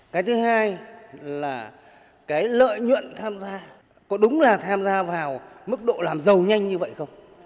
cái thứ hai là cái lợi nhuận tham gia có đúng là tham gia vào mức độ làm giàu nhanh như vậy không